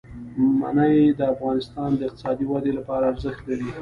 منی د افغانستان د اقتصادي ودې لپاره ارزښت لري.